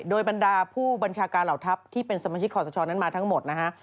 โดยบรรดาผู้บัญชาการเหล่าทัพที่เป็นสมาชิกขอสชนั้นมาทั้งหมดนะฮะ